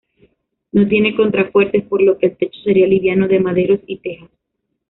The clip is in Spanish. No tiene contrafuertes, por lo que el techo sería liviano de maderos y tejas.